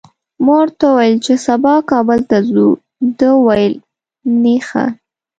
ما ورته وویل چي سبا کابل ته ځو، ده وویل نېخه!